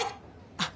あっ